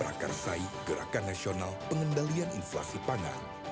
rakar sai gerakan nasional pengendalian inflasi pangan